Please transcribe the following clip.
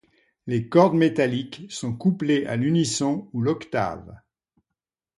Les cordes métalliques sont couplées à l'unisson ou l'octave.